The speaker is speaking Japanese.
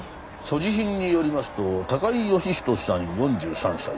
所持品によりますと高井義人さん４３歳。